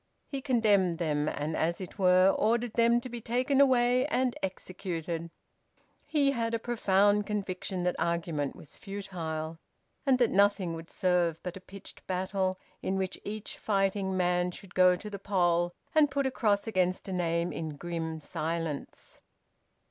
He condemned them, and as it were ordered them to be taken away and executed. He had a profound conviction that argument was futile, and that nothing would serve but a pitched battle, in which each fighting man should go to the poll and put a cross against a name in grim silence.